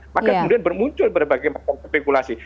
maka kemudian bermuncul berbagai macam spekulasi